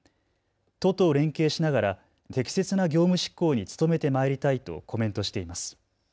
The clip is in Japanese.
都と連携しながら適切な業務執行に努めてまいりたいとコメントしています。